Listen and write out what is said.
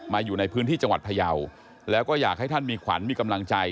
อยู่ในพื้นที่จังหวัดพยาวแล้วก็อยากให้ท่านมีขวัญมีกำลังใจ